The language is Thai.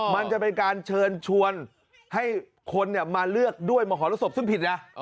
มันจะเป็นการเชิญชวนให้คนมาเลือกด้วยมหรสบซึ่งผิดนะ